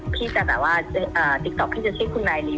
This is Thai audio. พี่จะแบบว่าติ๊กต๊อกพี่จะชื่อคุณนายนี้